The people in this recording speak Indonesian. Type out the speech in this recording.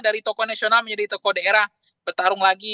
dari tokoh nasional menjadi tokoh daerah bertarung lagi